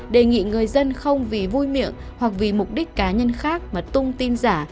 đề nghị người dân không vì vui miệng hoặc vì mục đích cá nhân khác mà tung tin giả